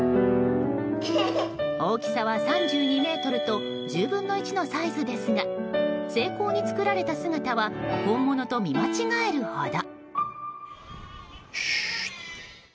大きさは３２ｍと１０分の１のサイズですが精巧に作られた姿は本物と見間違えるほど。